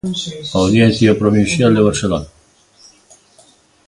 Audiencia Provincial de Barcelona.